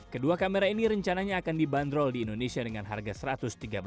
kedua kamera ini rencananya akan dibanderol di indonesia dengan harga rp satu ratus tiga puluh